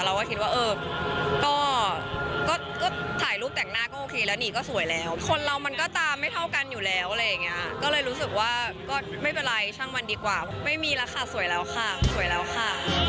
เราก็คิดว่าเออก็ก็ถ่ายรูปแต่งหน้าก็โอเคแล้วหนีก็สวยแล้วคนเรามันก็ตาไม่เท่ากันอยู่แล้วอะไรอย่างเงี้ยก็เลยรู้สึกว่าก็ไม่เป็นไรช่างมันดีกว่าไม่มีแล้วค่ะสวยแล้วค่ะสวยแล้วค่ะ